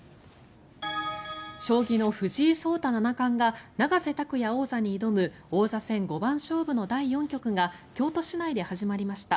将棋の藤井聡太七冠が永瀬拓矢王座に挑む王座戦五番勝負の第４局が京都市内で始まりました。